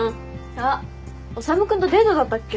あっ修君とデートだったっけ。